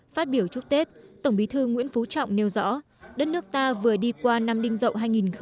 phát biểu chúc tết tổng bí thư nguyễn phú trọng nêu rõ đất nước ta vừa đi qua năm đinh dậu hai nghìn một mươi chín